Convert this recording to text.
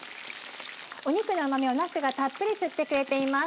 お肉のうまみをなすがたっぷり吸ってくれています。